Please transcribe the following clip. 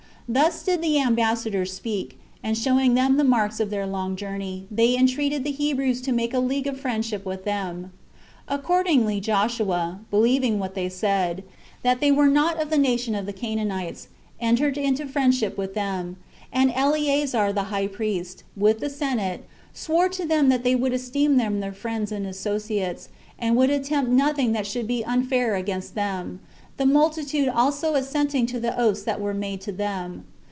Thus did these ambassadors speak; and showing them the marks of their long journey, they entreated the Hebrews to make a league of friendship with them. Accordingly Joshua, believing what they said, that they were not of the nation of the Canaanites, entered into friendship with them; and Eleazar the high priest, with the senate, sware to them that they would esteem them their friends and associates, and would attempt nothing that should be unfair against them, the multitude also assenting to the oaths that were made to them.